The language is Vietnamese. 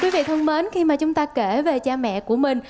quý vị thân mến khi mà chúng ta kể về cha mẹ của mình